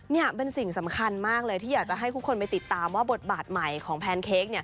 นี่เป็นสิ่งสำคัญมากเลยที่อยากจะให้ทุกคนไปติดตามว่าบทบาทใหม่ของแพนเค้ก